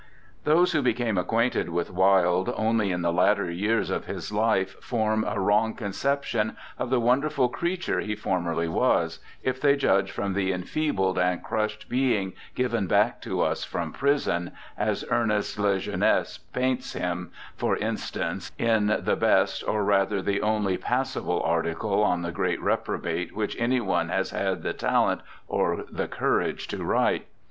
I. Those who became acquainted with Wilde only in the latter years of his life form a wrong conception of the wonderful creature he formerly was, if they judge from the enfeebled and crushed being given back to us from prison, as Ernest Lajeunesse paints him, for instance, in the best or rather the only passable article on the great reprobate which any one has had the talent or the courage to write.